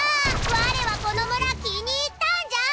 我はこの村気に入ったんじゃ！